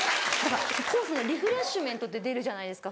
コースのリフレッシュメントって出るじゃないですか。